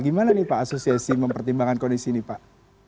gimana nih pak asosiasi mempertimbangkan kondisi ini pak